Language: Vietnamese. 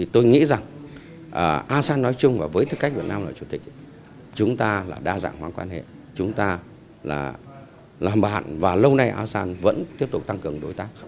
tôi nghĩ rằng asean nói chung và với tư cách việt nam là chủ tịch chúng ta là đa dạng hóa quan hệ chúng ta là làm bạn và lâu nay asean vẫn tiếp tục tăng cường đối tác